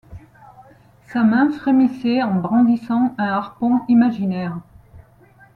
Sa main frémissait en brandissant un harpon imaginaire.